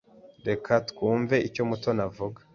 Reka twumve icyo Mutoni avuga.